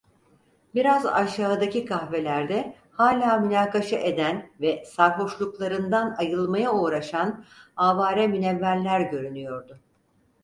Biraz aşağıdaki kahvelerde hâlâ münakaşa eden ve sarhoşluklarından ayılmaya uğraşan avare münevverler görünüyordu.